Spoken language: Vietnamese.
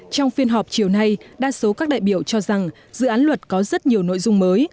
trong phiên họp chiều nay đa số các đại biểu cho rằng dự án luật có rất nhiều nội dung mới